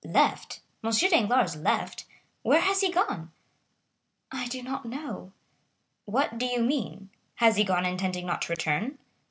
"Left?—M. Danglars left? Where has he gone?" "I do not know." "What do you mean? Has he gone intending not to return?"